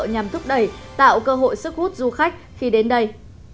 nhằm thúc đẩy tạo cơ hội sức hút du khách khi đến đây